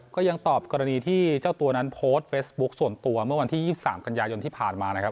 ก็ยังตอบกรณีที่เจ้าตัวนั้นโพสต์เฟซบุ๊คส่วนตัวเมื่อวันที่๒๓กันยายนที่ผ่านมานะครับ